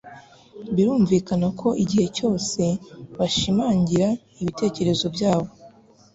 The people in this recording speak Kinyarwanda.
Birumvikana ko igihe cyose bashimangiraga ibitekerezo byabo